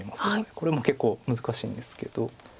これも結構難しいんですけど。